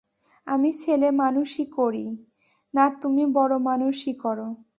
আমি ছেলেমানুষি করি, না তুমি বুড়োমানুষি কর!